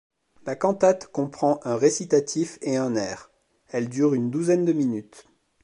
La cantate comprend un récitatif et un air; elle dure une douzaine de minutes.